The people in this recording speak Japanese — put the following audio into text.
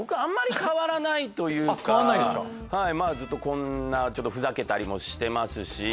ずっとこんなふざけたりもしてますし。